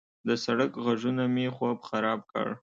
د سړک غږونه مې خوب خراب کړ.